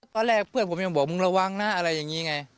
ตอนแรกเพื่อนผมยังบอกมึงระวังนะอะไรอย่างนี้ไง